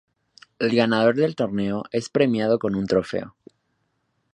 El ganador del torneo es premiado con un trofeo.